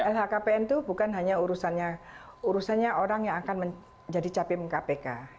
lhkpn itu bukan hanya urusannya orang yang akan menjadi capim kpk